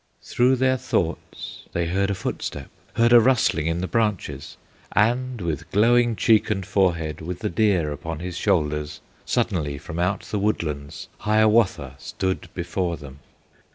Through their thoughts they heard a footstep, Heard a rustling in the branches, And with glowing cheek and forehead, With the deer upon his shoulders, Suddenly from out the woodlands Hiawatha stood before them.